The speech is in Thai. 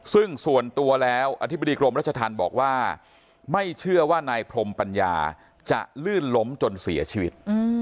ซึ่งส่วนตัวแล้วอธิบดีกรมรัชธรรมบอกว่าไม่เชื่อว่านายพรมปัญญาจะลื่นล้มจนเสียชีวิต